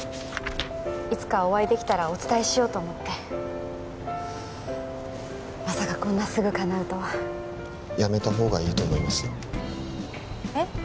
いつかお会いできたらお伝えしようと思ってまさかこんなすぐかなうとはやめたほうがいいと思いますよえっ？